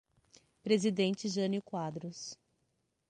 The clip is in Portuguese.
Presidente Jânio Quadros